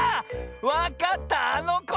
わかったあのこだ！